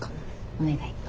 お願い。